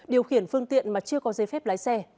điều khiển phương tiện mà chưa có giấy phép lái xe